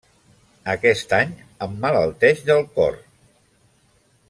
Aquest any emmalalteix del cor.